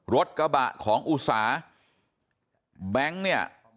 รถกระบะของอุสาแบงค์เนี่ย